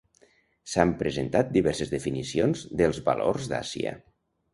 S'han presentat diverses definicions dels "valors d'Àsia".